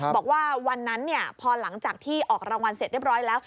บอกว่าวันนั้นพอหลังจากที่ออกรางวัลเสร็จเรียบร้อยแล้ว